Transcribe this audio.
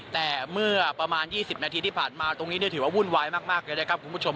แต่เมื่อประมาณ๒๐นาทีที่ผ่านมาตรงนี้ถือว่าวุ่นวายมากเลยนะครับคุณผู้ชม